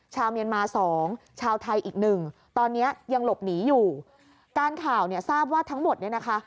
ชาวเมียนมาสองชาวไทยอีกหนึ่งตอนเนี้ยยังหลบหนีอยู่การข่าวเนี่ยทราบว่าทั้งหมดเนี่ยนะคะ